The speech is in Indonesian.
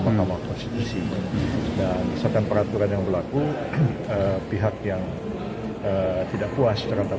mahkamah konstitusi dan misalkan peraturan yang berlaku pihak yang tidak puas terhadap